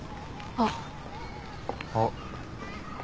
あっ。